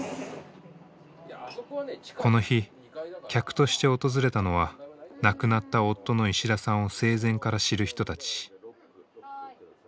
この日客として訪れたのは亡くなった夫の石田さんを生前から知る人たち。